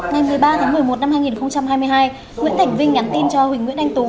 ngày một mươi ba tháng một mươi một năm hai nghìn hai mươi hai nguyễn thành vinh nhắn tin cho huỳnh nguyễn anh tú